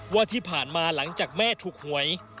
ว่าที่ผ่านมาหลังจากแม่ถูกหวย